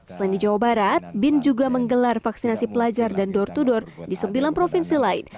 selain di jawa barat bin juga menggelar vaksinasi pelajar dan door to door di sembilan provinsi lain